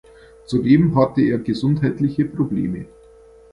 Zudem hatte er gesundheitliche Probleme.